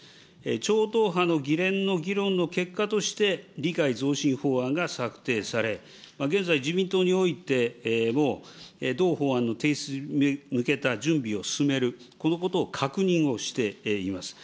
超党派の議連の議論の結果として、理解増進法案が策定され、現在、自民党においても、同法案の提出に向けた準備を進める、このことを確認をしています。